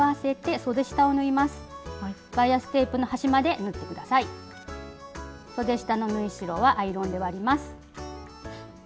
そで下の縫い代はアイロンで割ります。